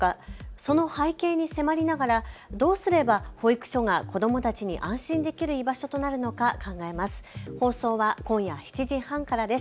その背景に迫りながらどうすれば保育所が子どもたちに安心できる居場所となるのか考えます。